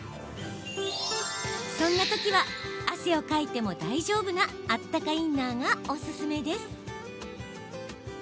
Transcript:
そんなときは、汗をかいても大丈夫なあったかインナーがおすすめです。